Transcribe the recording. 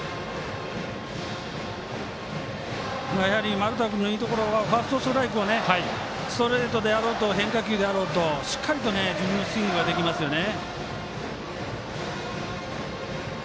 丸田君のいいところはファーストストライクをストレートであろうと変化球であろうとしっかりと自分のスイングができますよね。